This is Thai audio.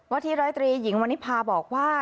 วที๑๐๓หญิงวณิพาบอกว่า